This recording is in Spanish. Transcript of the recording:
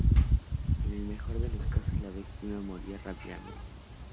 En el mejor de los casos, la víctima moría rápidamente.